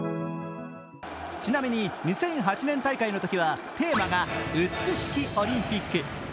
ちなみに、２００８年大会のときはテーマが「美しきオリンピック」。